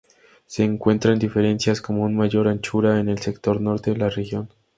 Se encuentran diferencias como una mayor anchura en el sector norte de la región.